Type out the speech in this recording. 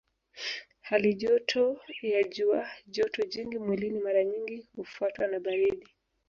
Hali joto ya juu joto jingi mwilini mara nyingi hufuatwa na baridi